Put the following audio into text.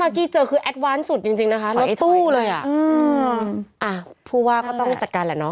อ่าคิดว่าก็ต้องจัดการแหละเนาะ